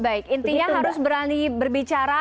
baik intinya harus berani berbicara